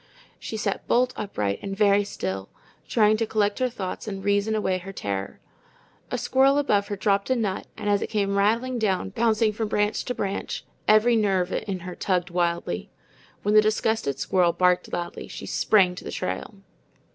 She sat bolt upright and very still, trying to collect her thoughts and reason away her terror. A squirrel above her dropped a nut, and as it came rattling down, bouncing from branch to branch, every nerve in her tugged wildly. When the disgusted squirrel barked loudly, she sprang to the trail.